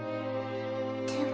でも。